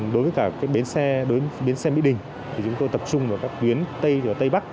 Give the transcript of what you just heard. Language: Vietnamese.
đối với cả bến xe mỹ đình chúng tôi tập trung vào các tuyến tây bắc